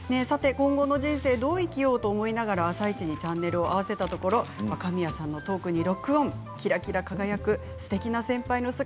今後の人生どう生きようと思いながら「あさイチ」にチャンネルを合わせたところ若宮さんのトークロックオンキラキラ輝くすてきな先輩